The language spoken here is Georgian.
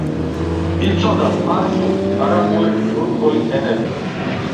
იცოდა სპარსული, არაბული, თურქული ენები.